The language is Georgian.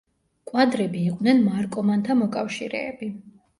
კვადები იყვნენ მარკომანთა მოკავშირეები.